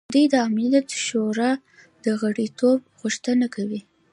دوی د امنیت شورا د غړیتوب غوښتنه کوي.